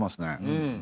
うん。